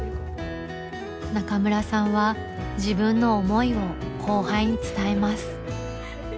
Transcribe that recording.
中村さんは自分の思いを後輩に伝えます。